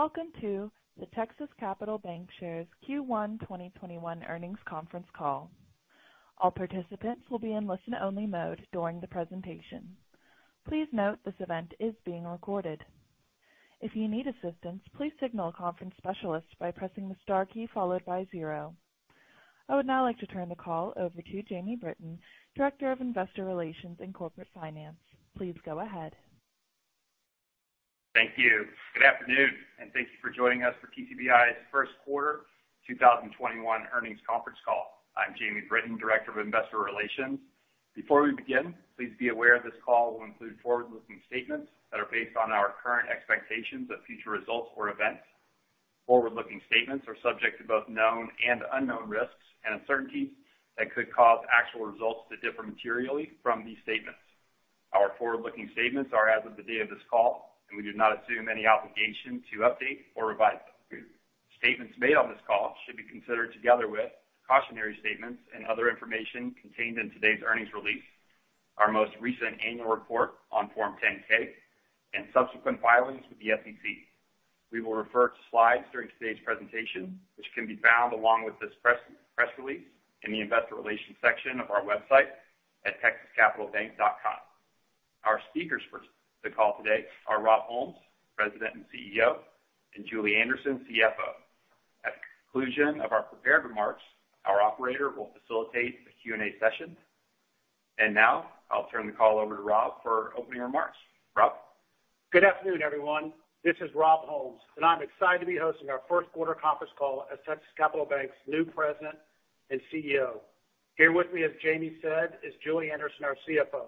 Welcome to the Texas Capital Bancshares Q1 2021 earnings conference call. All participants will be in listen-only mode during the presentation. Please note, this event is being recorded. If you need assistance, please signal a conference specialist by pressing the star key followed by zero. I would now like to turn the call over to Jamie Britton, Director of Investor Relations and Corporate Finance. Please go ahead. Thank you. Good afternoon, and thank you for joining us for TCBI's first quarter 2021 earnings conference call. I'm Jamie Britton, Director of Investor Relations. Before we begin, please be aware this call will include forward-looking statements that are based on our current expectations of future results or events. Forward-looking statements are subject to both known and unknown risks and uncertainties that could cause actual results to differ materially from these statements. Our forward-looking statements are as of the day of this call, and we do not assume any obligation to update or revise them. Statements made on this call should be considered together with cautionary statements and other information contained in today's earnings release, our most recent annual report on Form 10-K, and subsequent filings with the SEC. We will refer to slides during today's presentation, which can be found along with this press release in the investor relations section of our website at texascapitalbank.com. Our speakers for the call today are Rob Holmes, President and CEO, and Julie Anderson, CFO. At the conclusion of our prepared remarks, our operator will facilitate the Q&A session. Now, I'll turn the call over to Rob for opening remarks. Rob? Good afternoon, everyone. This is Rob Holmes, and I'm excited to be hosting our first quarter conference call as Texas Capital Bank's new President and CEO. Here with me, as Jamie said, is Julie Anderson, our CFO.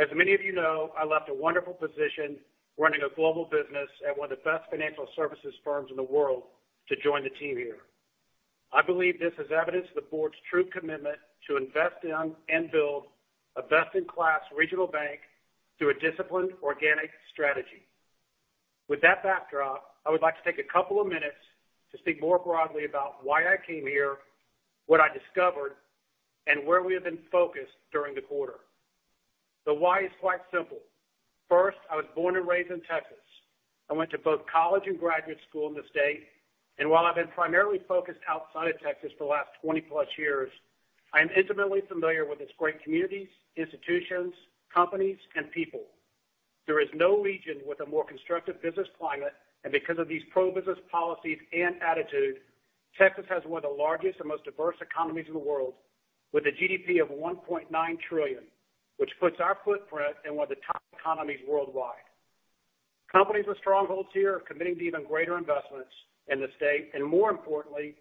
As many of you know, I left a wonderful position running a global business at one of the best financial services firms in the world to join the team here. I believe this is evidence of the board's true commitment to invest in and build a best-in-class regional bank through a disciplined organic strategy. With that backdrop, I would like to take a couple of minutes to speak more broadly about why I came here, what I discovered, and where we have been focused during the quarter. The why is quite simple. First, I was born and raised in Texas. I went to both college and graduate school in the state, and while I've been primarily focused outside of Texas for the last 20-plus years, I am intimately familiar with its great communities, institutions, companies, and people. There is no region with a more constructive business climate, and because of these pro-business policies and attitude, Texas has one of the largest and most diverse economies in the world with a GDP of $1.9 trillion, which puts our footprint in one of the top economies worldwide. Companies with strongholds here are committing to even greater investments in the state, and more importantly,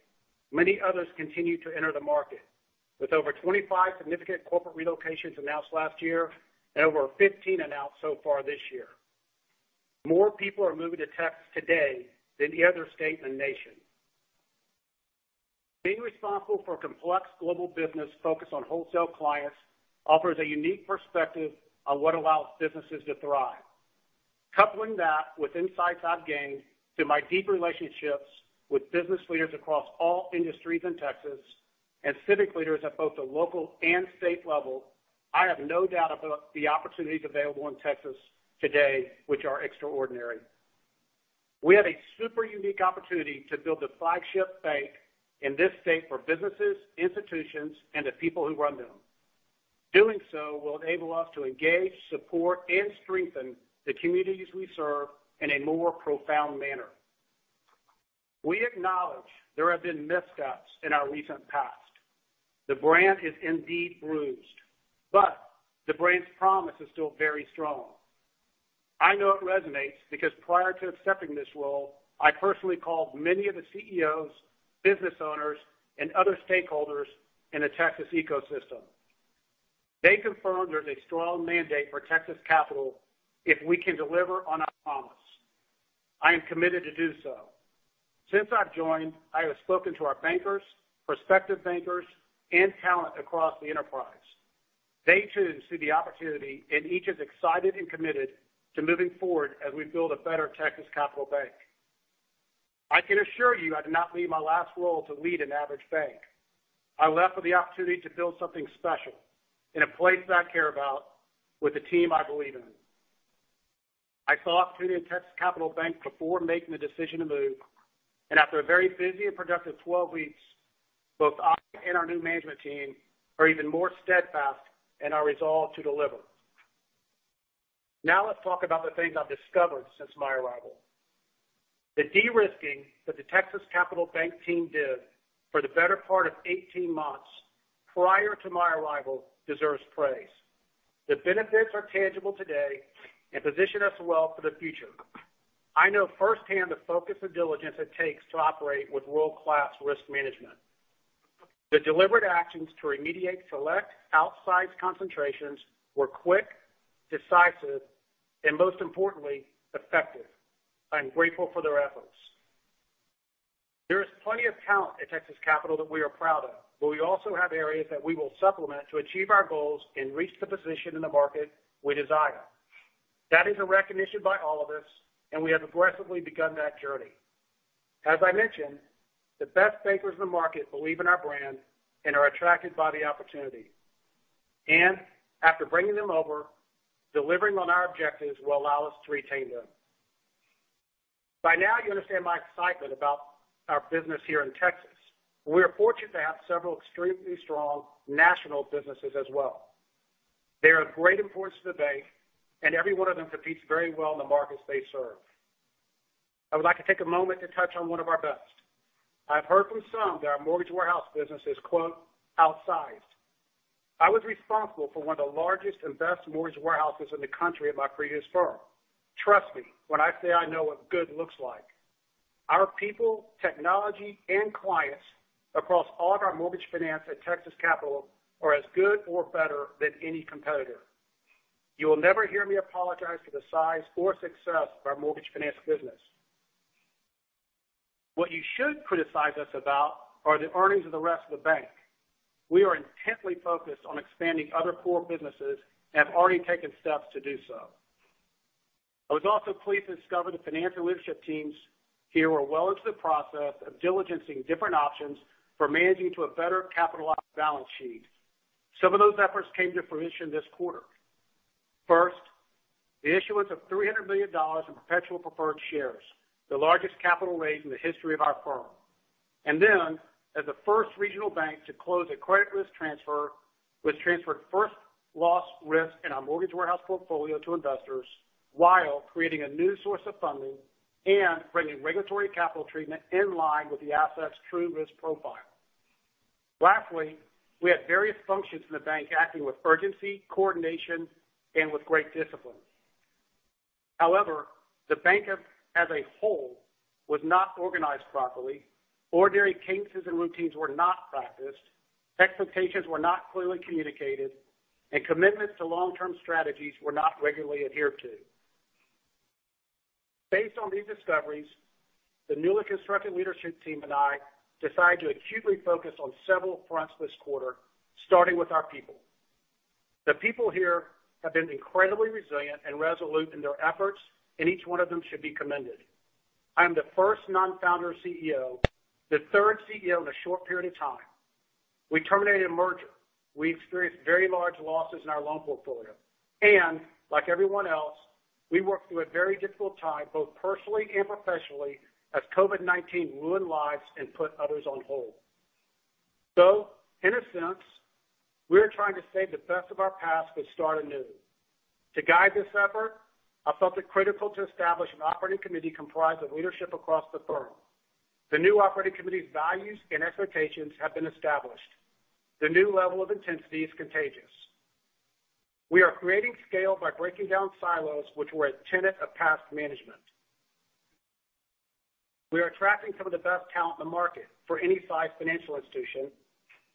many others continue to enter the market. With over 25 significant corporate relocations announced last year and over 15 announced so far this year. More people are moving to Texas today than any other state in the nation. Being responsible for a complex global business focused on wholesale clients offers a unique perspective on what allows businesses to thrive. Coupling that with insights I've gained through my deep relationships with business leaders across all industries in Texas and civic leaders at both the local and state level, I have no doubt about the opportunities available in Texas today, which are extraordinary. We have a super unique opportunity to build a flagship bank in this state for businesses, institutions, and the people who run them. Doing so will enable us to engage, support, and strengthen the communities we serve in a more profound manner. We acknowledge there have been mishaps in our recent past. The brand is indeed bruised, but the brand's promise is still very strong. I know it resonates because prior to accepting this role, I personally called many of the CEOs, business owners, and other stakeholders in the Texas ecosystem. They confirmed there's a strong mandate for Texas Capital if we can deliver on our promise. I am committed to do so. Since I've joined, I have spoken to our bankers, prospective bankers, and talent across the enterprise. They too see the opportunity, and each is excited and committed to moving forward as we build a better Texas Capital Bank. I can assure you I did not leave my last role to lead an average bank. I left for the opportunity to build something special in a place that I care about with a team I believe in. I saw opportunity in Texas Capital Bank before making the decision to move, and after a very busy and productive 12 weeks, both I and our new management team are even more steadfast in our resolve to deliver. Now let's talk about the things I've discovered since my arrival. The de-risking that the Texas Capital Bank team did for the better part of 18 months prior to my arrival deserves praise. The benefits are tangible today and position us well for the future. I know firsthand the focus and diligence it takes to operate with world-class risk management. The deliberate actions to remediate select outsized concentrations were quick, decisive, and most importantly, effective. I'm grateful for their efforts. There is plenty of talent at Texas Capital that we are proud of, but we also have areas that we will supplement to achieve our goals and reach the position in the market we desire. That is a recognition by all of us, and we have aggressively begun that journey. As I mentioned, the best bankers in the market believe in our brand and are attracted by the opportunity. After bringing them over, delivering on our objectives will allow us to retain them. By now, you understand my excitement about our business here in Texas. We are fortunate to have several extremely strong national businesses as well. They are of great importance to the Bank, and every one of them competes very well in the markets they serve. I would like to take a moment to touch on one of our best. I've heard from some that our mortgage warehouse business is, quote, "outsized." I was responsible for one of the largest and best mortgage warehouses in the country at my previous firm. Trust me when I say I know what good looks like. Our people, technology, and clients across all of our mortgage finance at Texas Capital are as good or better than any competitor. You will never hear me apologize for the size or success of our mortgage finance business. What you should criticize us about are the earnings of the rest of the bank. We are intently focused on expanding other core businesses and have already taken steps to do so. I was also pleased to discover the financial leadership teams here were well into the process of diligencing different options for managing to a better capitalized balance sheet. Some of those efforts came to fruition this quarter. First, the issuance of $300 million in perpetual preferred shares, the largest capital raise in the history of our firm. As the first regional bank to close a credit risk transfer, which transferred first loss risk in our mortgage warehouse portfolio to investors while creating a new source of funding and bringing regulatory capital treatment in line with the asset's true risk profile. Lastly, we had various functions in the bank acting with urgency, coordination, and with great discipline. However, the bank as a whole was not organized properly. Ordinary cadences and routines were not practiced, expectations were not clearly communicated, and commitments to long-term strategies were not regularly adhered to. Based on these discoveries, the newly constructed leadership team and I decided to acutely focus on several fronts this quarter, starting with our people. The people here have been incredibly resilient and resolute in their efforts, and each one of them should be commended. I am the first non-founder CEO, the third CEO in a short period of time. We terminated a merger. We experienced very large losses in our loan portfolio. Like everyone else, we worked through a very difficult time, both personally and professionally, as COVID-19 ruined lives and put others on hold. In a sense, we are trying to save the best of our past but start anew. To guide this effort, I felt it critical to establish an Operating Committee comprised of leadership across the firm. The new Operating Committee's values and expectations have been established. The new level of intensity is contagious. We are creating scale by breaking down silos, which were a tenet of past management. We are attracting some of the best talent in the market for any size financial institution,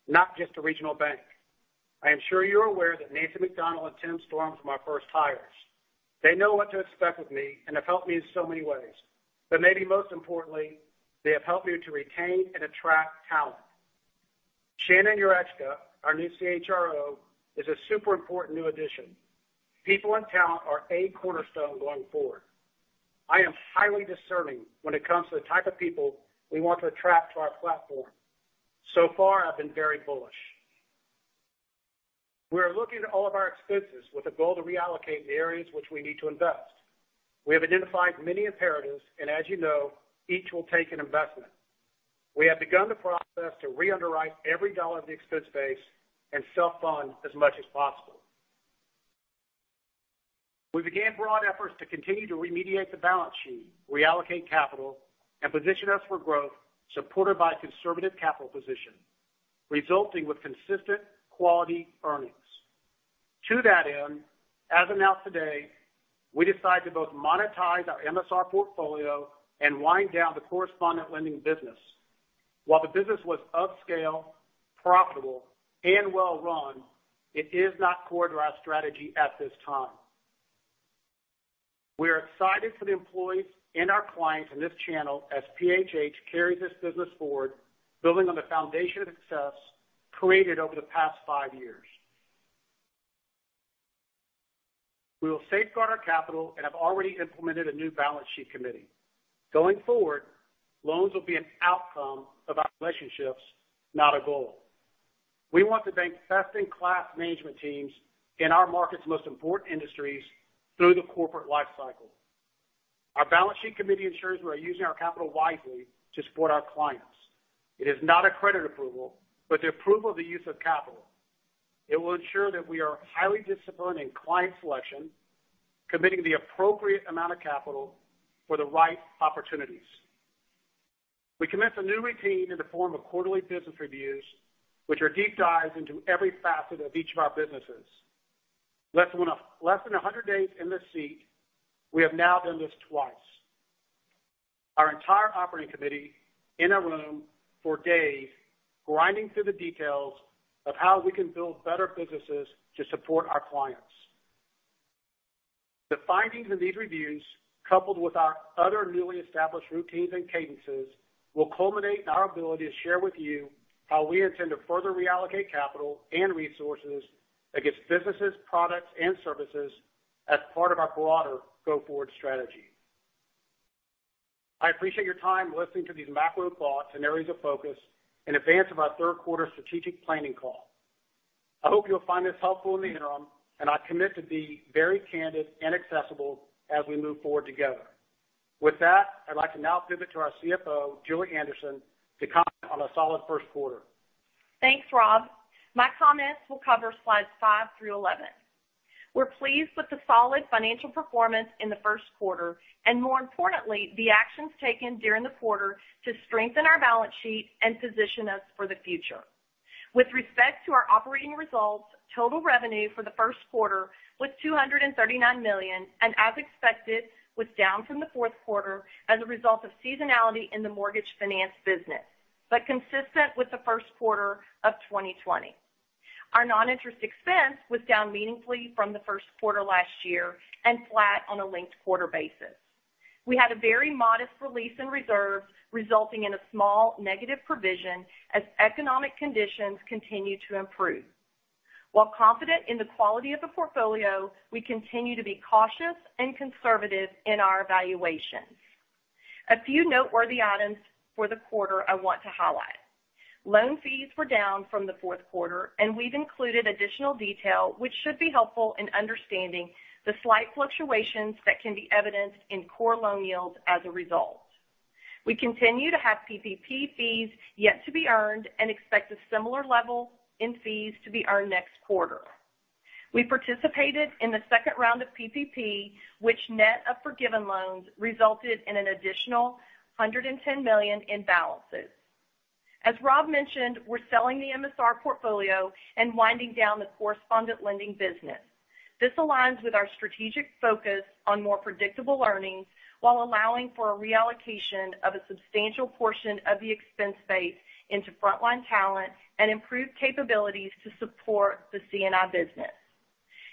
not just a regional bank. I am sure you're aware that Nancy McDonnell and Tim Storms are my first hires. They know what to expect of me and have helped me in so many ways. Maybe most importantly, they have helped me to retain and attract talent. Shannon Jurecka, our new CHRO, is a super important new addition. People and talent are a cornerstone going forward. I am highly discerning when it comes to the type of people we want to attract to our platform. Far, I've been very bullish. We are looking at all of our expenses with a goal to reallocate the areas which we need to invest. We have identified many imperatives, as you know, each will take an investment. We have begun the process to re-underwrite every dollar of the expense base and self-fund as much as possible. We began broad efforts to continue to remediate the balance sheet, reallocate capital, and position us for growth supported by a conservative capital position, resulting with consistent quality earnings. To that end, as announced today, we decided to both monetize our MSR portfolio and wind down the correspondent lending business. While the business was of scale, profitable, and well-run, it is not core to our strategy at this time. We are excited for the employees and our clients in this channel as PHH carries this business forward, building on the foundation of success created over the past five years. We will safeguard our capital and have already implemented a new Balance Sheet Committee. Going forward, loans will be an outcome of our relationships, not a goal. We want to bank best-in-class management teams in our market's most important industries through the corporate life cycle. Our Balance Sheet Committee ensures we are using our capital wisely to support our clients. It is not a credit approval, but the approval of the use of capital. It will ensure that we are highly disciplined in client selection, committing the appropriate amount of capital for the right opportunities. We commence a new routine in the form of quarterly business reviews, which are deep dives into every facet of each of our businesses. Less than 100 days in this seat, we have now done this twice. Our entire Operating Committee in a room for days, grinding through the details of how we can build better businesses to support our clients. The findings of these reviews, coupled with our other newly established routines and cadences, will culminate in our ability to share with you how we intend to further reallocate capital and resources against businesses, products, and services as part of our broader go-forward strategy. I appreciate your time listening to these macro thoughts and areas of focus in advance of our third quarter strategic planning call. I hope you'll find this helpful in the interim, and I commit to be very candid and accessible as we move forward together. With that, I'd like to now pivot to our CFO, Julie Anderson, to comment on a solid first quarter. Thanks, Rob. My comments will cover slides five through 11. We're pleased with the solid financial performance in the first quarter, and more importantly, the actions taken during the quarter to strengthen our balance sheet and position us for the future. With respect to our operating results, total revenue for the first quarter was $239 million, and as expected, was down from the fourth quarter as a result of seasonality in the mortgage finance business, but consistent with the first quarter of 2020. Our non-interest expense was down meaningfully from the first quarter last year and flat on a linked quarter basis. We had a very modest release in reserve, resulting in a small negative provision as economic conditions continue to improve. While confident in the quality of the portfolio, we continue to be cautious and conservative in our evaluations. A few noteworthy items for the quarter I want to highlight. Loan fees were down from the fourth quarter. We've included additional detail, which should be helpful in understanding the slight fluctuations that can be evidenced in core loan yields as a result. We continue to have PPP fees yet to be earned and expect a similar level in fees to be earned next quarter. We participated in the second round of PPP, which net of forgiven loans, resulted in an additional $110 million in balances. As Rob mentioned, we're selling the MSR portfolio and winding down the correspondent lending business. This aligns with our strategic focus on more predictable earnings while allowing for a reallocation of a substantial portion of the expense base into frontline talent and improved capabilities to support the C&I business.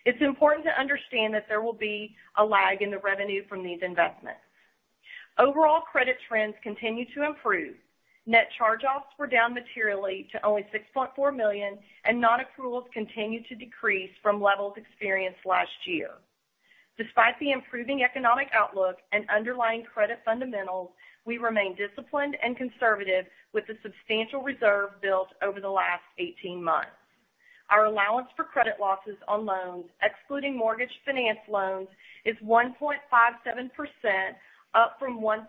It's important to understand that there will be a lag in the revenue from these investments. Overall credit trends continue to improve. Net charge-offs were down materially to only $6.4 million, and non-accruals continue to decrease from levels experienced last year. Despite the improving economic outlook and underlying credit fundamentals, we remain disciplined and conservative with the substantial reserve built over the last 18 months. Our allowance for credit losses on loans, excluding mortgage finance loans, is 1.57%, up from 1.18%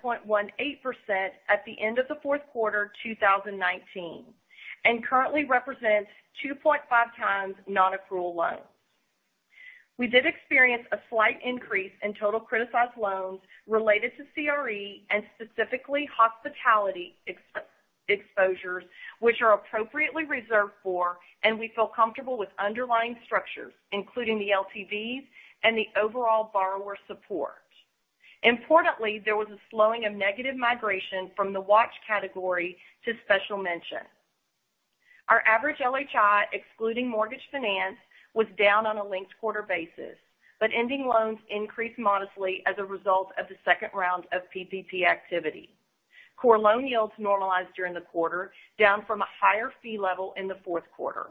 at the end of the fourth quarter 2019, and currently represents 2.5x non-accrual loans. We did experience a slight increase in total criticized loans related to CRE and specifically hospitality exposures, which are appropriately reserved for, and we feel comfortable with underlying structures, including the LTVs and the overall borrower support. Importantly, there was a slowing of negative migration from the watch category to special mention. Our average LHI, excluding mortgage finance, was down on a linked quarter basis, but ending loans increased modestly as a result of the second round of PPP activity. Core loan yields normalized during the quarter, down from a higher fee level in the fourth quarter.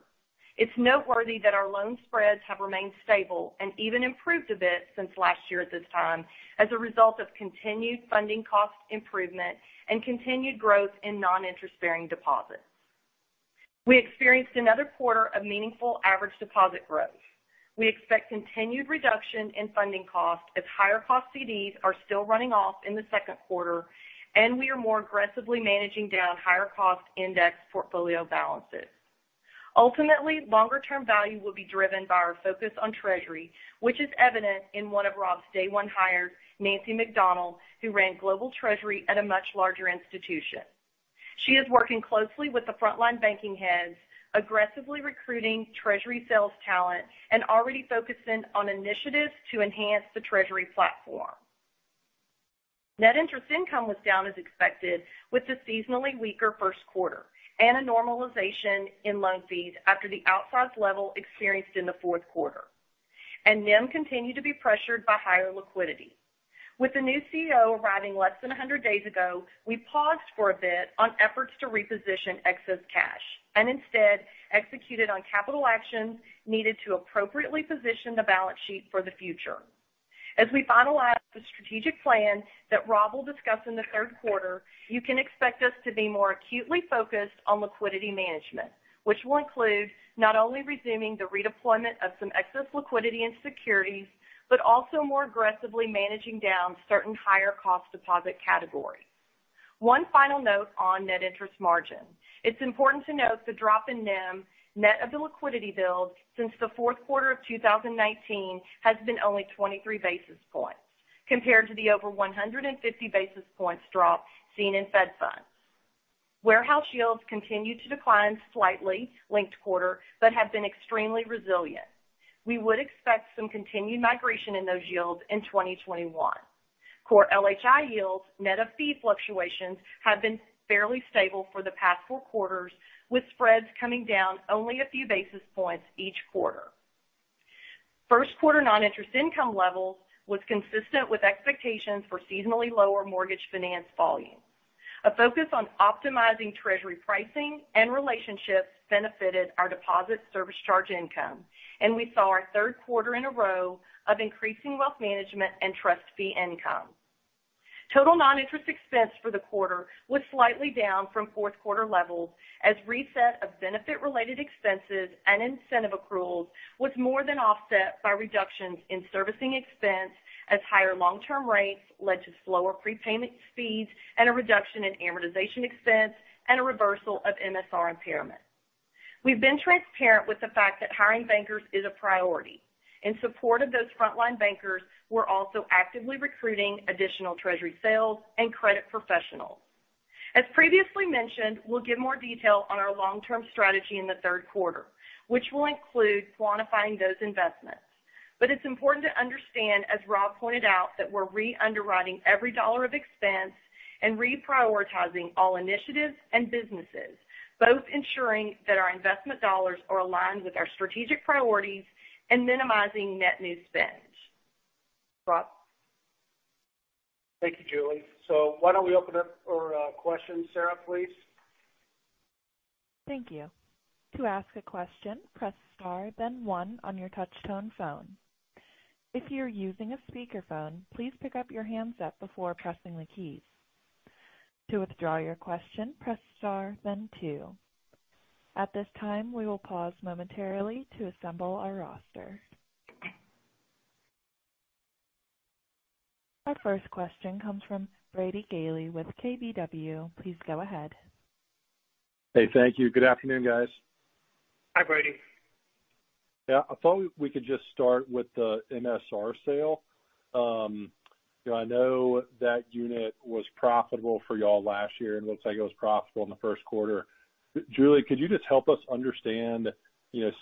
It's noteworthy that our loan spreads have remained stable and even improved a bit since last year at this time as a result of continued funding cost improvement and continued growth in non-interest-bearing deposits. We experienced another quarter of meaningful average deposit growth. We expect continued reduction in funding costs as higher cost CDs are still running off in the second quarter, and we are more aggressively managing down higher cost index portfolio balances. Ultimately, longer term value will be driven by our focus on Treasury, which is evident in one of Rob's day one hires, Nancy McDonnell, who ran Global Treasury at a much larger institution. She is working closely with the frontline banking heads, aggressively recruiting treasury sales talent, and already focusing on initiatives to enhance the treasury platform. Net interest income was down as expected with a seasonally weaker first quarter and a normalization in loan fees after the outsized level experienced in the fourth quarter. NIM continued to be pressured by higher liquidity. With the new CEO arriving less than 100 days ago, we paused for a bit on efforts to reposition excess cash and instead executed on capital actions needed to appropriately position the balance sheet for the future. As we finalize the strategic plan that Rob will discuss in the third quarter, you can expect us to be more acutely focused on liquidity management, which will include not only resuming the redeployment of some excess liquidity and securities, but also more aggressively managing down certain higher cost deposit categories. One final note on net interest margin. It's important to note the drop in NIM net of the liquidity build since the fourth quarter of 2019 has been only 23 basis points compared to the over 150 basis points drop seen in Fed Funds. Warehouse yields continued to decline slightly linked quarter, but have been extremely resilient. We would expect some continued migration in those yields in 2021. Core LHI yields net of fee fluctuations have been fairly stable for the past four quarters, with spreads coming down only a few basis points each quarter. First quarter non-interest income levels was consistent with expectations for seasonally lower mortgage finance volumes. A focus on optimizing treasury pricing and relationships benefited our deposit service charge income, and we saw our third quarter in a row of increasing wealth management and trust fee income. Total non-interest expense for the quarter was slightly down from fourth quarter levels as reset of benefit-related expenses and incentive accruals was more than offset by reductions in servicing expense as higher long-term rates led to slower prepayment speeds and a reduction in amortization expense and a reversal of MSR impairment. We've been transparent with the fact that hiring bankers is a priority. In support of those frontline bankers, we're also actively recruiting additional treasury sales and credit professionals. As previously mentioned, we'll give more detail on our long-term strategy in the third quarter, which will include quantifying those investments. It's important to understand, as Rob pointed out, that we're re-underwriting every dollar of expense and reprioritizing all initiatives and businesses, both ensuring that our investment dollars are aligned with our strategic priorities and minimizing net new spend. Rob? Thank you, Julie. Why don't we open up for questions. Sarah, please. Thank you. To ask a question, press star then one on your touch tone phone. If you're using a speakerphone, please pick up your handset before pressing the keys. To withdraw your question, press star then two. At this time, we will pause momentarily to assemble our roster. Our first question comes from Brady Gailey with KBW. Please go ahead. Hey, thank you. Good afternoon, guys. Hi, Brady. Yeah, I thought we could just start with the MSR sale. I know that unit was profitable for y'all last year, and looks like it was profitable in the first quarter. Julie, could you just help us understand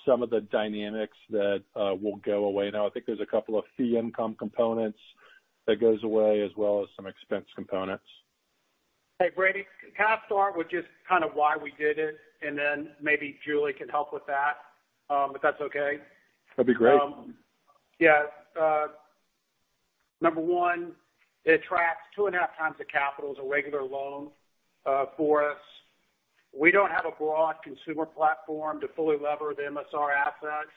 some of the dynamics that will go away now? I think there's a couple of fee income components that goes away as well as some expense components. Hey, Brady. Can I start with just kind of why we did it and then maybe Julie can help with that, if that's okay? That'd be great. Yeah. Number one, it tracks 2.5x the capital as a regular loan for us. We don't have a broad consumer platform to fully lever the MSR assets.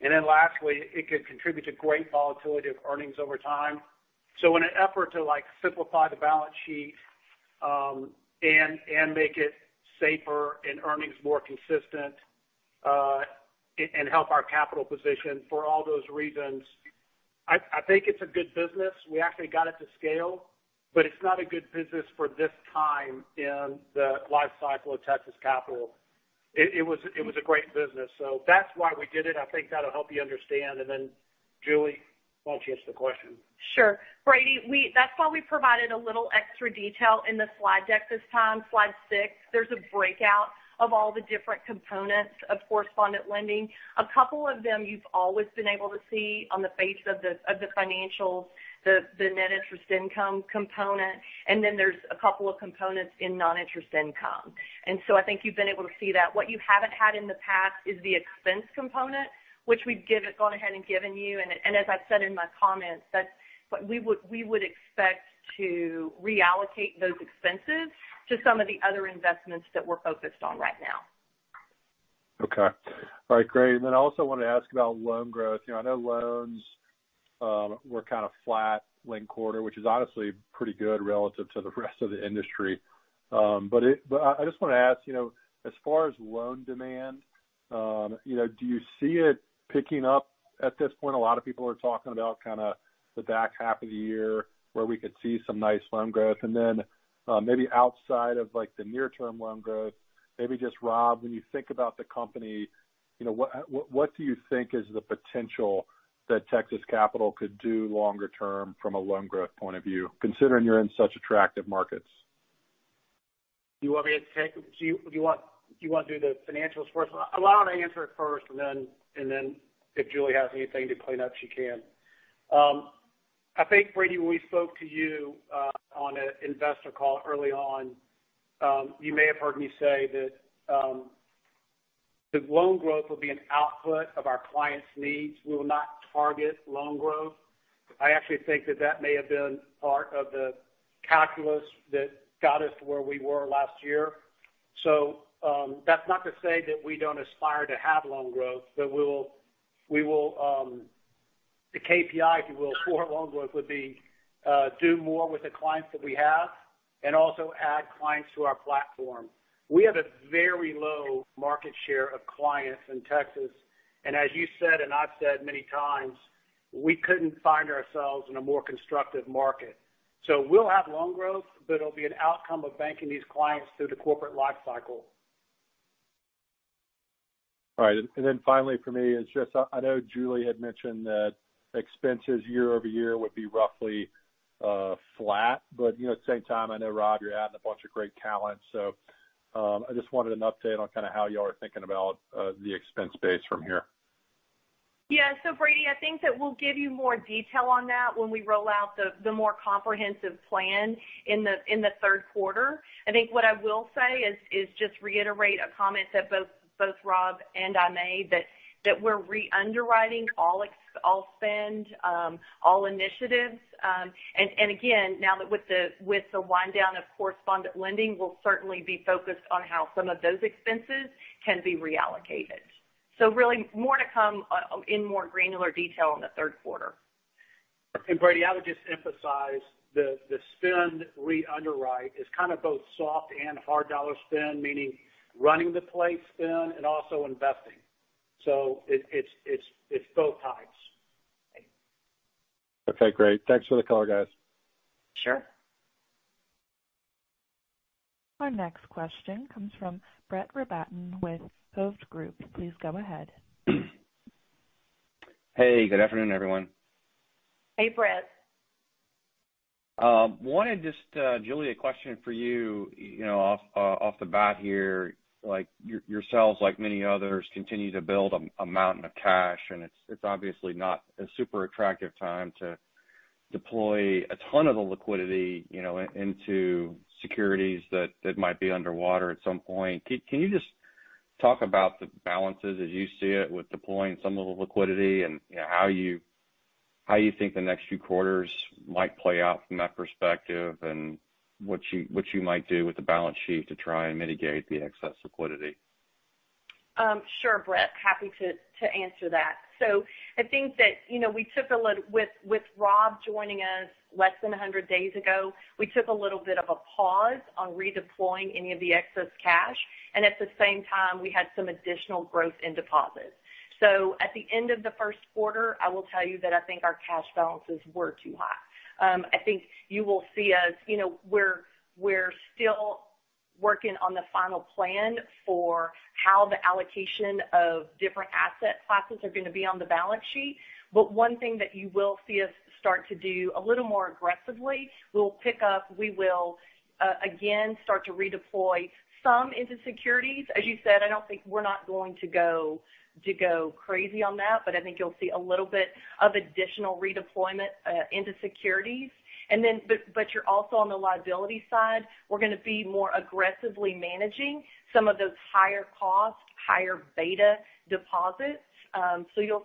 Lastly, it could contribute to great volatility of earnings over time. In an effort to simplify the balance sheet, and make it safer and earnings more consistent, and help our capital position for all those reasons, I think it's a good business. We actually got it to scale, but it's not a good business for this time in the life cycle of Texas Capital. It was a great business. That's why we did it. I think that'll help you understand. Julie, why don't you answer the question? Sure. Brady, that's why we provided a little extra detail in the slide deck this time, slide six. There's a breakout of all the different components of correspondent lending. A couple of them you've always been able to see on the face of the financials, the net interest income component, and then there's a couple of components in non-interest income. I think you've been able to see that. What you haven't had in the past is the expense component, which we've gone ahead and given you, and as I've said in my comments, that's what we would expect to reallocate those expenses to some of the other investments that we're focused on right now. Okay. All right, great. I also want to ask about loan growth. I know loans were kind of flat linked quarter, which is honestly pretty good relative to the rest of the industry. I just want to ask, as far as loan demand, do you see it picking up at this point? A lot of people are talking about kind of the back half of the year where we could see some nice loan growth. Maybe outside of the near term loan growth, maybe just Rob, when you think about the company, what do you think is the potential that Texas Capital could do longer term from a loan growth point of view, considering you're in such attractive markets? Do you want to do the financials first? I'll answer it first, and then if Julie has anything to clean up, she can. I think, Brady, when we spoke to you on an investor call early on, you may have heard me say that loan growth will be an output of our clients' needs. We will not target loan growth. I actually think that that may have been part of the calculus that got us to where we were last year. That's not to say that we don't aspire to have loan growth, but the KPI, if you will, for loan growth would be do more with the clients that we have and also add clients to our platform. We have a very low market share of clients in Texas, and as you said, and I've said many times, we couldn't find ourselves in a more constructive market. We'll have loan growth, but it'll be an outcome of banking these clients through the corporate life cycle. All right. Finally for me, it's just I know Julie had mentioned that expenses year-over-year would be roughly flat. At the same time, I know, Rob, you're adding a bunch of great talent. I just wanted an update on kind of how you all are thinking about the expense base from here. Yeah. Brady, I think that we'll give you more detail on that when we roll out the more comprehensive plan in the third quarter. I think what I will say is just reiterate a comment that both Rob and I made that we're re-underwriting all spend, all initiatives. Again, now with the wind down of correspondent lending, we'll certainly be focused on how some of those expenses can be reallocated. Really more to come in more granular detail in the third quarter. Brady, I would just emphasize the spend re-underwrite is kind of both soft and hard dollar spend, meaning running the place spend and also investing. It's both types. Okay, great. Thanks for the color, guys. Sure. Our next question comes from Brett Rabatin with Hovde Group. Please go ahead. Hey, good afternoon, everyone. Hey, Brett. Julie, a question for you off the bat here. Yourselves, like many others, continue to build a mountain of cash. It's obviously not a super attractive time to deploy a ton of the liquidity into securities that might be underwater at some point. Can you just talk about the balances as you see it with deploying some of the liquidity and how you think the next few quarters might play out from that perspective, what you might do with the balance sheet to try and mitigate the excess liquidity? Sure, Brett. Happy to answer that. I think that with Rob joining us less than 100 days ago, we took a little bit of a pause on redeploying any of the excess cash, and at the same time, we had some additional growth in deposits. At the end of the first quarter, I will tell you that I think our cash balances were too high. I think you will see us, we're still working on the final plan for how the allocation of different asset classes are going to be on the balance sheet. One thing that you will see us start to do a little more aggressively, we will again start to redeploy some into securities. As you said, I don't think we're not going to go crazy on that, but I think you'll see a little bit of additional redeployment into securities. You're also on the liability side. We're going to be more aggressively managing some of those higher cost, higher beta deposits. I think you'll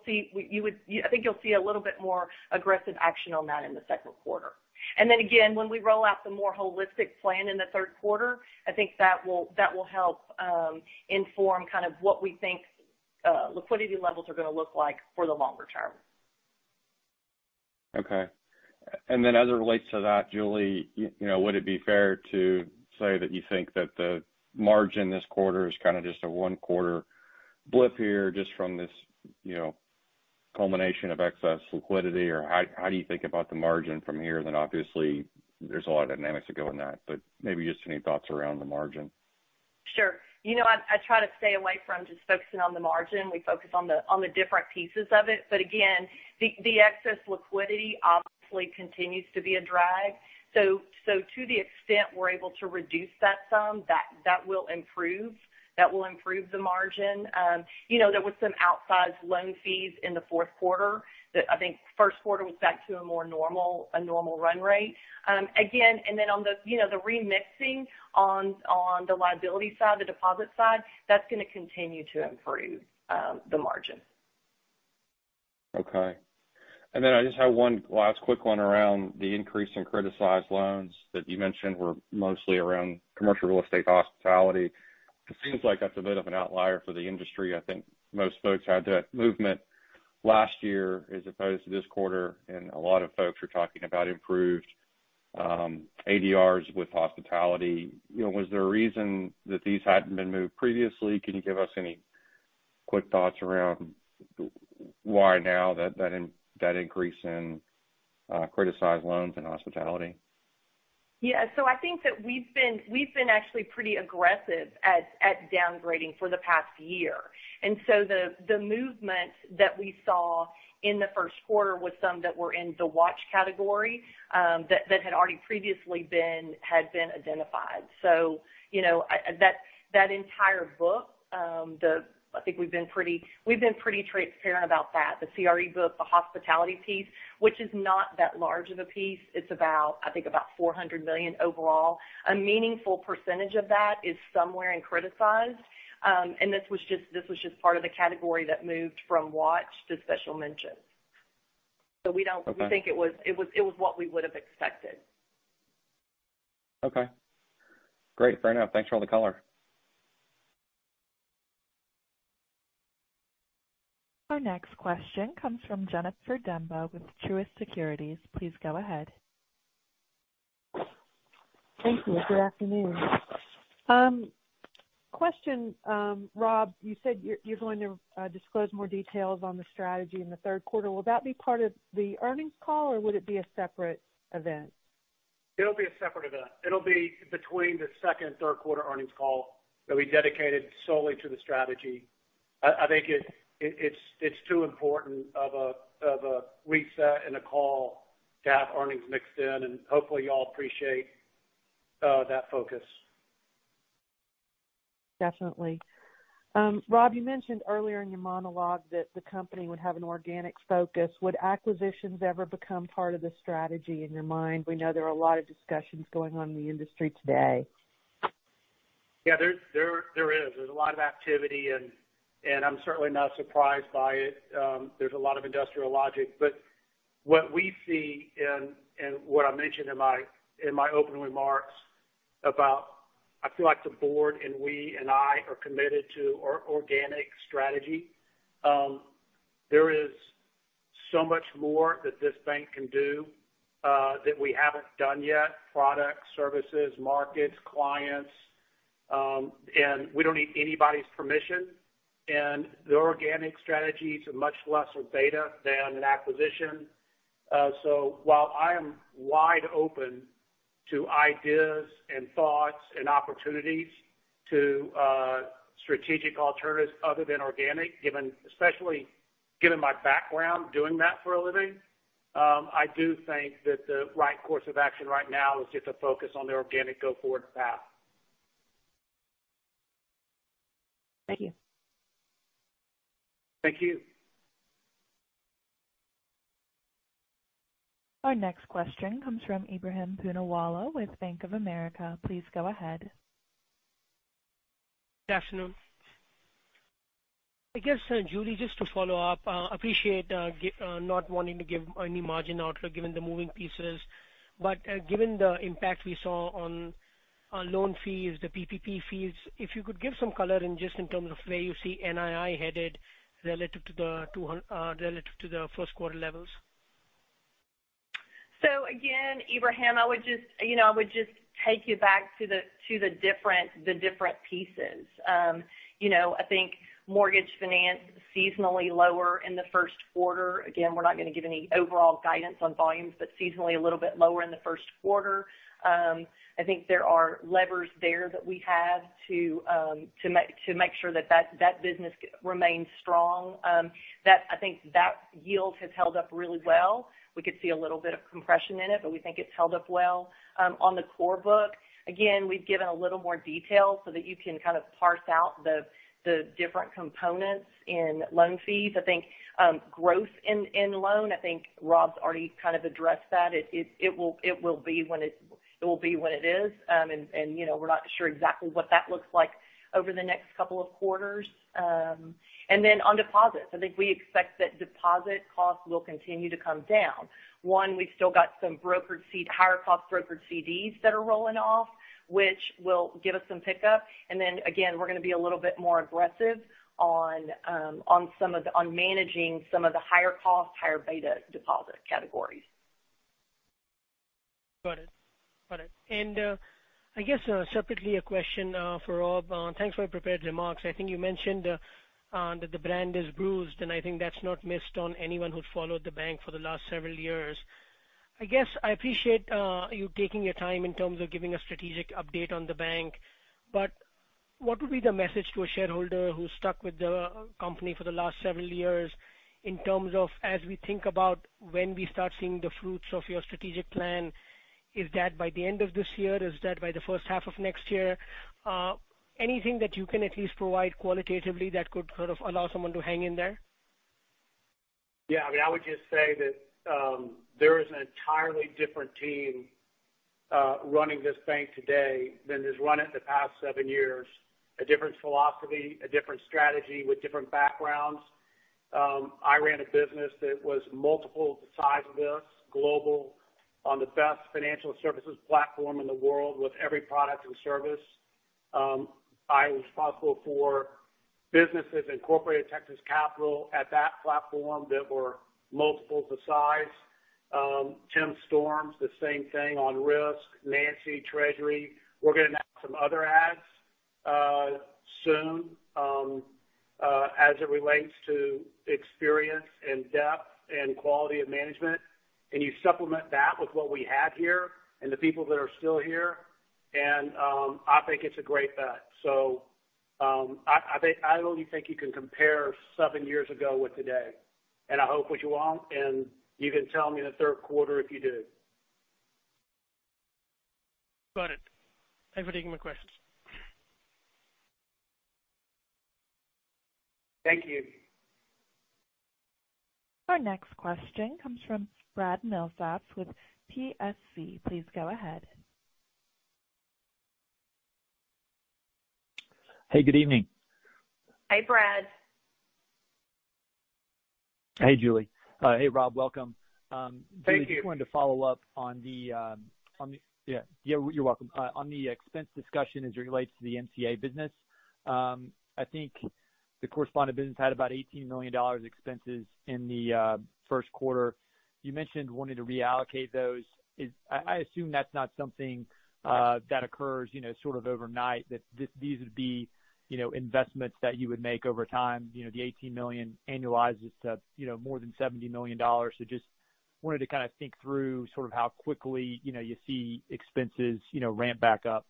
see a little bit more aggressive action on that in the second quarter. Again, when we roll out the more holistic plan in the third quarter, I think that will help inform kind of what we think liquidity levels are going to look like for the longer term. Okay. As it relates to that, Julie, would it be fair to say that you think that the margin this quarter is kind of just a one-quarter blip here just from this culmination of excess liquidity? How do you think about the margin from here? Obviously, there's a lot of dynamics that go in that, but maybe just any thoughts around the margin. Sure. I try to stay away from just focusing on the margin. We focus on the different pieces of it. Again, the excess liquidity obviously continues to be a drag. To the extent we're able to reduce that sum, that will improve the margin. There was some outsized loan fees in the fourth quarter that I think first quarter was back to a more normal run rate. On the remixing on the liability side, the deposit side, that's going to continue to improve the margin. Okay. I just have one last quick one around the increase in criticized loans that you mentioned were mostly around commercial real estate hospitality. It seems like that's a bit of an outlier for the industry. I think most folks had that movement last year as opposed to this quarter. A lot of folks are talking about improved ADRs with hospitality. Was there a reason that these hadn't been moved previously? Can you give us any quick thoughts around why now that increase in criticized loans in hospitality? Yeah. I think that we've been actually pretty aggressive at downgrading for the past year. The movement that we saw in the first quarter was some that were in the watch category that had already previously had been identified. That entire book, I think we've been pretty transparent about that. The CRE book, the hospitality piece, which is not that large of a piece. It's about, I think, about $400 million overall. A meaningful percentage of that is somewhere in criticized. This was just part of the category that moved from watch to special mention. Okay. We think it was what we would have expected. Okay. Great. Fair enough. Thanks for all the color. Our next question comes from Jennifer Demba with Truist Securities. Please go ahead. Thank you. Good afternoon. Question, Rob, you said you're going to disclose more details on the strategy in the third quarter. Will that be part of the earnings call or would it be a separate event? It'll be a separate event. It'll be between the second and third quarter earnings call. It'll be dedicated solely to the strategy. I think it's too important of a reset and a call to have earnings mixed in, and hopefully you all appreciate that focus. Definitely. Rob, you mentioned earlier in your monologue that the company would have an organic focus. Would acquisitions ever become part of the strategy in your mind? We know there are a lot of discussions going on in the industry today. Yeah, there is. There's a lot of activity, and I'm certainly not surprised by it. There's a lot of industrial logic. What we see and what I mentioned in my opening remarks about, I feel like the board and we and I are committed to our organic strategy. There is so much more that this bank can do that we haven't done yet, product, services, markets, clients. We don't need anybody's permission. The organic strategy is much less of beta than an acquisition. While I am wide open to ideas and thoughts and opportunities to strategic alternatives other than organic, especially given my background doing that for a living, I do think that the right course of action right now is just to focus on the organic go-forward path. Thank you. Thank you. Our next question comes from Ebrahim Poonawala with Bank of America. Please go ahead. Good afternoon. I guess, Julie, just to follow up, appreciate not wanting to give any margin outlook given the moving pieces. Given the impact we saw on loan fees, the PPP fees, if you could give some color in just in terms of where you see NII headed relative to the first quarter levels? Again, Ebrahim, I would just take you back to the different pieces. I think mortgage finance is seasonally lower in the first quarter. We're not going to give any overall guidance on volumes, but seasonally a little bit lower in the first quarter. I think there are levers there that we have to make sure that business remains strong. I think that yield has held up really well. We could see a little bit of compression in it, but we think it's held up well. On the core book, again, we've given a little more detail so that you can kind of parse out the different components in loan fees. I think growth in loan, I think Rob's already kind of addressed that. It will be when it is. We're not sure exactly what that looks like over the next couple of quarters. On deposits, I think we expect that deposit costs will continue to come down. One, we've still got some higher cost brokered CDs that are rolling off, which will give us some pickup. Again, we're going to be a little bit more aggressive on managing some of the higher cost, higher beta deposit categories. Got it. I guess separately, a question for Rob. Thanks for your prepared remarks. I think you mentioned that the brand is bruised, and I think that's not missed on anyone who's followed the bank for the last several years. I guess I appreciate you taking your time in terms of giving a strategic update on the bank. What would be the message to a shareholder who stuck with the company for the last several years in terms of as we think about when we start seeing the fruits of your strategic plan, is that by the end of this year? Is that by the first half of next year? Anything that you can at least provide qualitatively that could allow someone to hang in there? Yeah. I would just say that there is an entirely different team running this bank today than has run it the past seven years. A different philosophy, a different strategy with different backgrounds. I ran a business that was multiple the size of this, global, on the best financial services platform in the world with every product and service. I was responsible for businesses, incorporated Texas Capital at that platform that were multiples the size. Tim Storms is the same thing on risk. Nancy, treasury. We're going to announce some other adds soon as it relates to experience and depth and quality of management. You supplement that with what we have here and the people that are still here, and I think it's a great bet. I don't even think you can compare seven years ago with today. I hope what you want, and you can tell me in the third quarter if you do. Got it. Thanks for taking my questions. Thank you. Our next question comes from Brad Milsaps with Piper Sandler. Please go ahead. Hey, good evening. Hi, Brad. Hey, Julie. Hey, Rob, welcome. Thank you. Julie, just wanted to follow up. Yeah, you're welcome. On the expense discussion as it relates to the MCA business. I think the correspondent business had about $18 million expenses in the first quarter. You mentioned wanting to reallocate those. I assume that's not something that occurs overnight, that these would be investments that you would make over time. The $18 million annualizes to more than $70 million. Just wanted to kind of think through how quickly you see expenses ramp back up.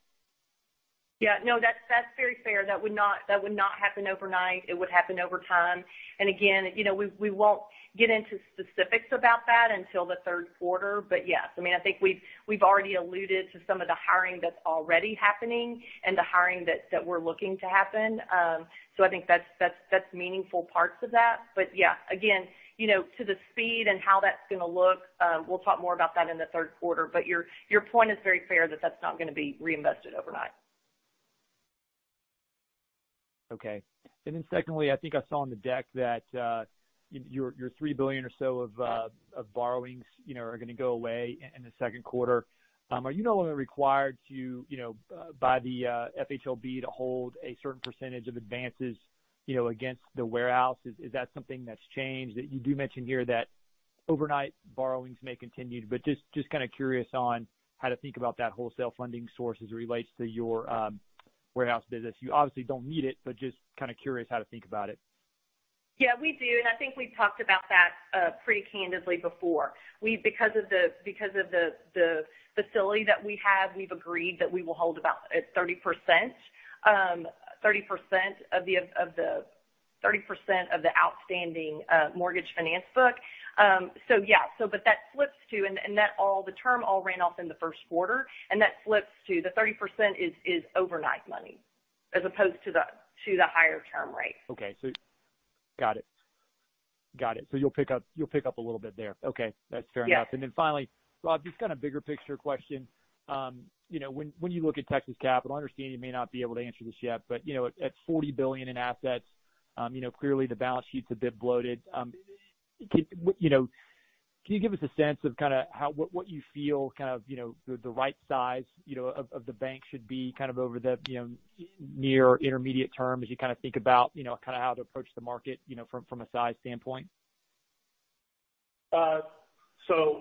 Yeah. No, that's very fair. That would not happen overnight. It would happen over time. Again, we won't get into specifics about that until the third quarter. Yes, I think we've already alluded to some of the hiring that's already happening and the hiring that we're looking to happen. I think that's meaningful parts of that. Yeah, again, to the speed and how that's going to look, we'll talk more about that in the third quarter, but your point is very fair that that's not going to be reinvested overnight. Okay. Secondly, I think I saw on the deck that your $3 billion or so of borrowings are going to go away in the second quarter. Are you no longer required by the FHLB to hold a certain percentage of advances against the warehouse? Is that something that's changed? You do mention here that overnight borrowings may continue, but just curious on how to think about that wholesale funding source as it relates to your warehouse business. You obviously don't need it, but just kind of curious how to think about it. Yeah, we do. I think we've talked about that pretty candidly before. Because of the facility that we have, we've agreed that we will hold about 30% of the outstanding mortgage finance book. Yeah. The term all ran off in the first quarter. That slips to the 30% is overnight money as opposed to the higher term rate. Okay. Got it. You'll pick up a little bit there. Okay, that's fair enough. Yeah. Then finally, Rob, just kind of bigger picture question. When you look at Texas Capital, I understand you may not be able to answer this yet, but at $40 billion in assets clearly the balance sheet's a bit bloated. Can you give us a sense of what you feel the right size of the bank should be over the near intermediate term as you think about how to approach the market from a size standpoint?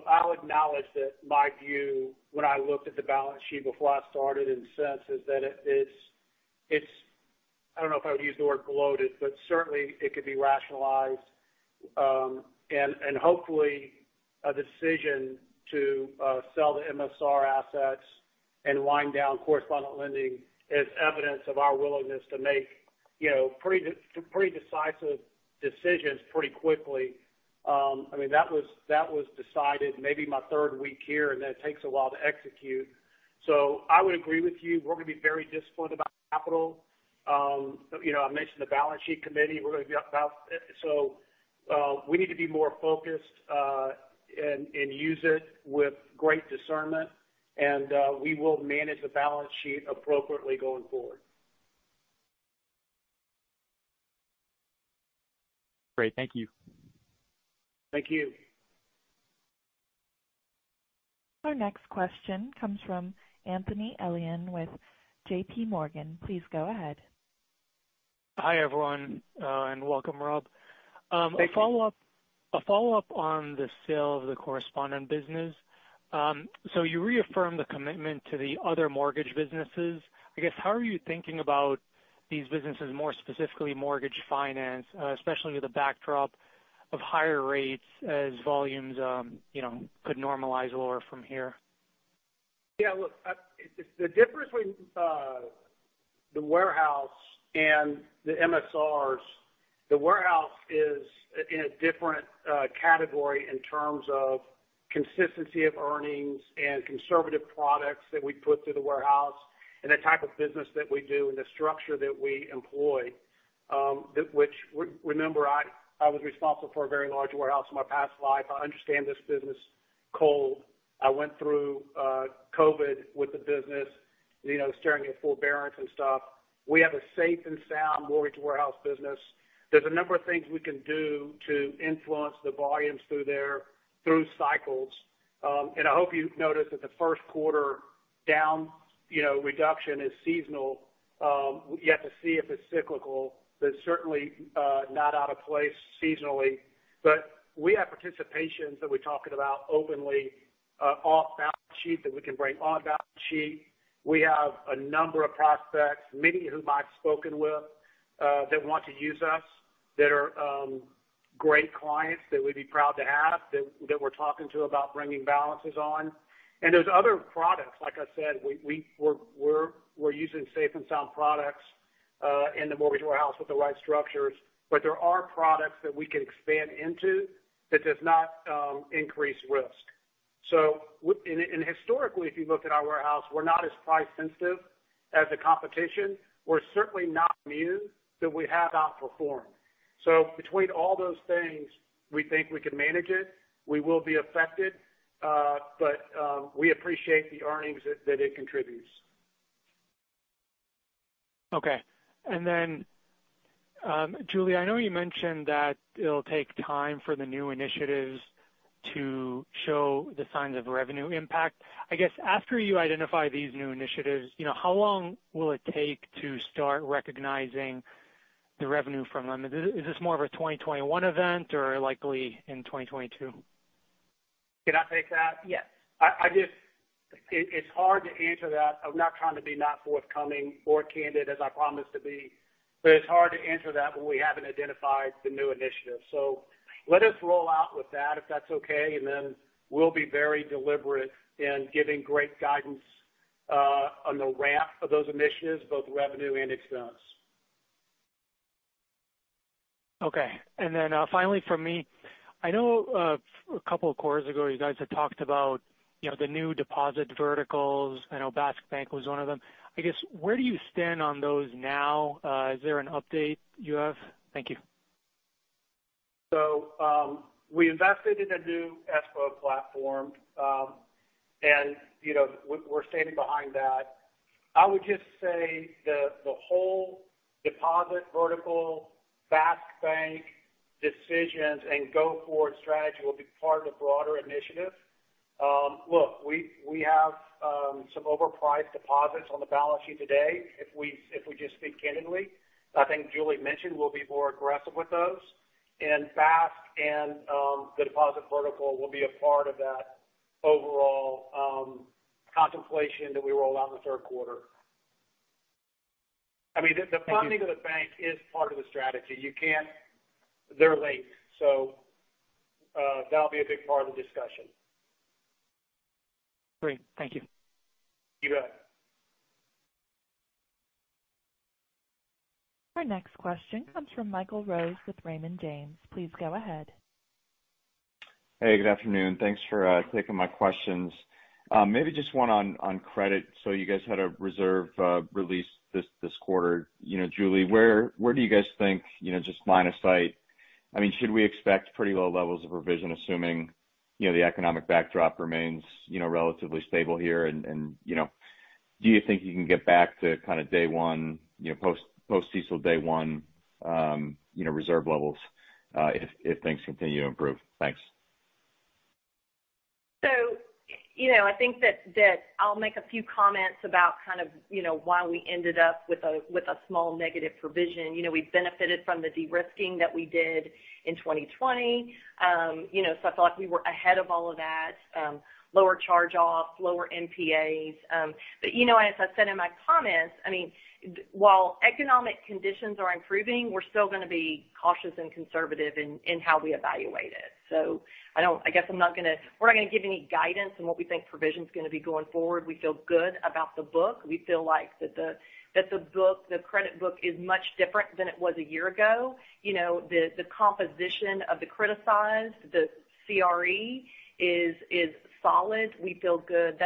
I'll acknowledge that my view when I looked at the balance sheet before I started and since is that it's, I don't know if I would use the word bloated, but certainly it could be rationalized. Hopefully a decision to sell the MSR assets and wind down correspondent lending is evidence of our willingness to make pretty decisive decisions pretty quickly. That was decided maybe my third week here, and then it takes a while to execute. I would agree with you. We're going to be very disciplined about capital. I mentioned the Balance Sheet Committee. We need to be more focused and use it with great discernment, and we will manage the balance sheet appropriately going forward. Great. Thank you. Thank you. Our next question comes from Anthony Elian with JPMorgan. Please go ahead. Hi, everyone, and welcome, Rob. Thank you. A follow-up on the sale of the correspondent business. You reaffirmed the commitment to the other mortgage businesses. I guess, how are you thinking about these businesses, more specifically mortgage finance, especially with the backdrop of higher rates as volumes could normalize or from here? Yeah, look, the difference between the warehouse and the MSRs, the warehouse is in a different category in terms of consistency of earnings and conservative products that we put through the warehouse and the type of business that we do and the structure that we employ. Which, remember, I was responsible for a very large warehouse in my past life. I understand this business cold. I went through COVID with the business, staring at forbearance and stuff. We have a safe and sound mortgage warehouse business. There's a number of things we can do to influence the volumes through there through cycles. I hope you notice that the first quarter down reduction is seasonal. You have to see if it's cyclical, but certainly not out of place seasonally. We have participations that we're talking about openly off balance sheet that we can bring on balance sheet. We have a number of prospects, many whom I've spoken with, that want to use us, that are great clients that we'd be proud to have, that we're talking to about bringing balances on. There's other products, like I said, we're using safe and sound products in the mortgage warehouse with the right structures, but there are products that we can expand into that does not increase risk. Historically, if you look at our warehouse, we're not as price sensitive as the competition. We're certainly not immune, but we have outperformed. Between all those things, we think we can manage it. We will be affected. We appreciate the earnings that it contributes. Okay. Julie, I know you mentioned that it'll take time for the new initiatives to show the signs of revenue impact. I guess after you identify these new initiatives, how long will it take to start recognizing the revenue from them? Is this more of a 2021 event or likely in 2022? Can I take that? Yes. It's hard to answer that. I'm not trying to be not forthcoming or candid as I promise to be. It's hard to answer that when we haven't identified the new initiatives. Let us roll out with that, if that's okay, and then we'll be very deliberate in giving great guidance on the ramp of those initiatives, both revenue and expense. Okay. Finally from me, I know a couple of quarters ago, you guys had talked about the new deposit verticals. I know Bask Bank was one of them. I guess, where do you stand on those now? Is there an update you have? Thank you. We invested in a new escrow platform. We're standing behind that. I would just say that the whole deposit vertical Bask Bank decisions and go-forward strategy will be part of a broader initiative. Look, we have some overpriced deposits on the balance sheet today, if we just speak candidly. I think Julie mentioned we'll be more aggressive with those. Bask and the deposit vertical will be a part of that overall contemplation that we roll out in the third quarter. The funding of the bank is part of the strategy. They're linked. That'll be a big part of the discussion. Great. Thank you. You bet. Our next question comes from Michael Rose with Raymond James. Please go ahead. Hey, good afternoon. Thanks for taking my questions. Maybe just one on credit. You guys had a reserve release this quarter. Julie, where do you guys think, just line of sight, should we expect pretty low levels of revision, assuming the economic backdrop remains relatively stable here? Do you think you can get back to day one, post-CECL day one reserve levels if things continue to improve? Thanks. I think that I'll make a few comments about why we ended up with a small negative provision. We benefited from the de-risking that we did in 2020. I feel like we were ahead of all of that. Lower charge-offs, lower NPAs. As I said in my comments, while economic conditions are improving, we're still going to be cautious and conservative in how we evaluate it. I guess we're not going to give any guidance on what we think provision's going to be going forward. We feel good about the book. We feel like that the credit book is much different than it was a year ago. The composition of the criticized, the CRE, is solid. We feel good.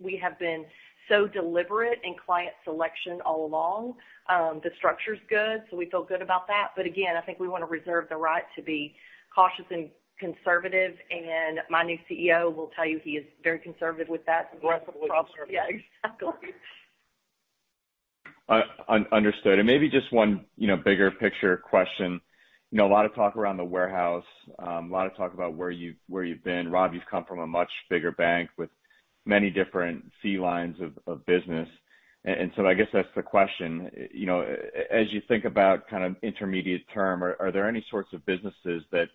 We have been so deliberate in client selection all along. The structure's good, so we feel good about that. Again, I think we want to reserve the right to be cautious and conservative. My new CEO will tell you he is very conservative. Aggressively conservative. Yeah, exactly. Understood. Maybe just one bigger picture question. A lot of talk around the warehouse, a lot of talk about where you've been. Rob, you've come from a much bigger bank with many different fee lines of business. I guess that's the question. As you think about intermediate term, are there any sorts of businesses that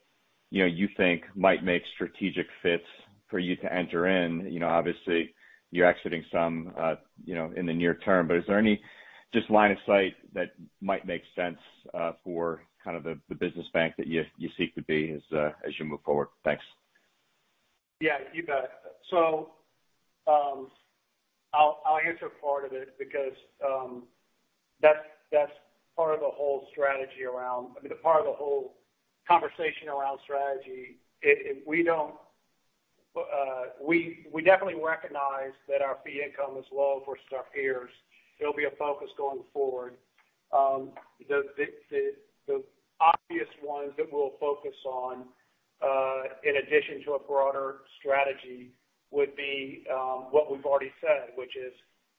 you think might make strategic fits for you to enter in? Obviously you're exiting some in the near term, but is there any just line of sight that might make sense for the business bank that you seek to be as you move forward? Thanks. Yeah, you bet. I'll answer part of it because that's part of the whole conversation around strategy. We definitely recognize that our fee income is low versus our peers. It'll be a focus going forward. The obvious ones that we'll focus on, in addition to a broader strategy, would be what we've already said, which is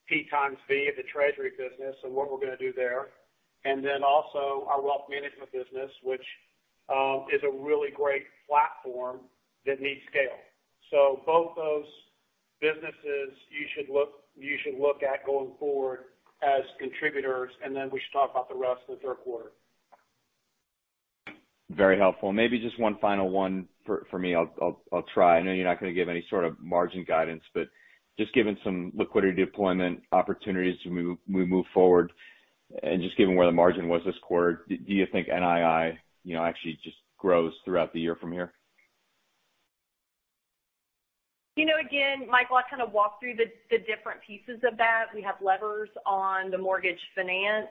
P times V of the treasury business and what we're going to do there. Also our wealth management business, which is a really great platform that needs scale. Both those businesses, you should look at going forward as contributors, and then we should talk about the rest in the third quarter. Very helpful. Maybe just one final one for me. I'll try. I know you're not going to give any sort of margin guidance, but just given some liquidity deployment opportunities as we move forward, and just given where the margin was this quarter, do you think NII actually just grows throughout the year from here? Again, Michael, I'll kind of walk through the different pieces of that. We have levers on the mortgage finance.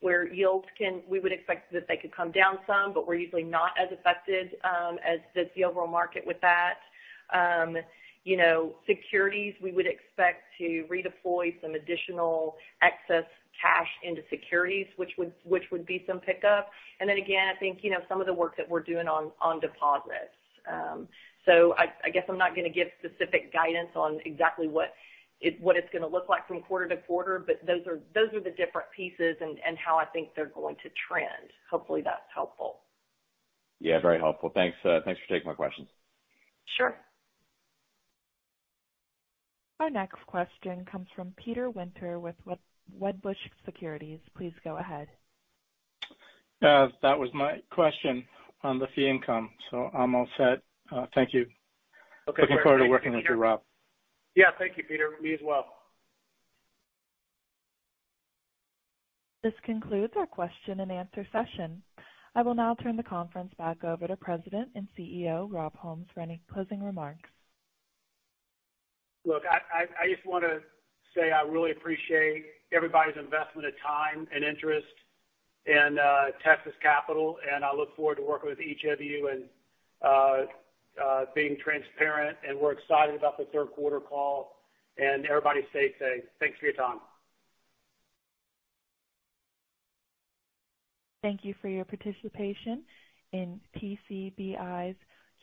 Where yields we would expect that they could come down some, but we're usually not as affected as the overall market with that. Securities, we would expect to redeploy some additional excess cash into securities, which would be some pickup. Again, I think some of the work that we're doing on deposits. I guess I'm not going to give specific guidance on exactly what it's going to look like from quarter to quarter, but those are the different pieces and how I think they're going to trend. Hopefully that's helpful. Yeah, very helpful. Thanks for taking my questions. Sure. Our next question comes from Peter Winter with Wedbush Securities. Please go ahead. That was my question on the fee income. I'm all set. Thank you. Okay. Looking forward to working with you, Rob. Yeah. Thank you, Peter. Me as well. This concludes our question and answer session. I will now turn the conference back over to President and CEO, Rob Holmes, for any closing remarks. Look, I just want to say I really appreciate everybody's investment of time and interest in Texas Capital, I look forward to working with each of you and being transparent, and we're excited about the third quarter call. Everybody stay safe. Thanks for your time. Thank you for your participation in TCBI's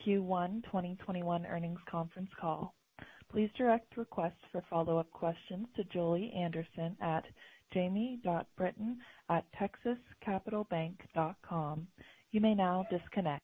Q1 2021 earnings conference call. Please direct requests for follow-up questions to Julie Anderson at jamie.britton@texascapitalbank.com. You may now disconnect.